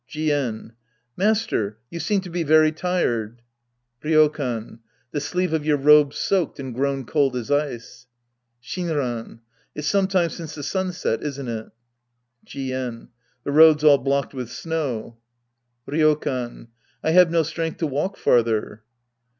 Jien. Master. You seem to be very tired. Ryokan. The sleeve of your robe's soaked and grown cold as ice. Shinran. It's some time since the sun set, isn't it? Jien. The road's all blocked with snow. Ryokan. I have no strength to walk farther.